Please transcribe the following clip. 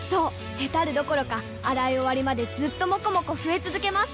ヘタるどころか洗い終わりまでずっともこもこ増え続けます！